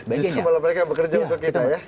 jadi semuanya mereka yang bekerja untuk kita ya